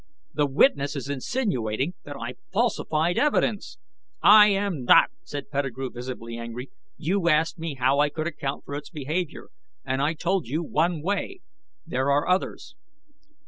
"The witness is insinuating that I falsified evidence!" "I am not!" said Pettigrew, visibly angry. "You asked me how I could account for its behavior, and I told you one way! There are others!"